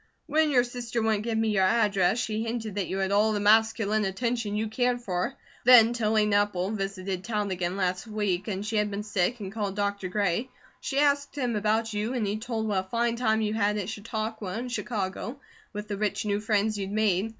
"When your sister wouldn't give me your address, she hinted that you had all the masculine attention you cared for; then Tilly Nepple visited town again last week and she had been sick and called Dr. Gray. She asked him about you, and he told what I fine time you had at Chautauqua and Chicago, with the rich new friends you'd made.